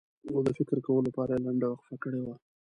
او د فکر کولو لپاره یې لنډه وقفه کړې وي.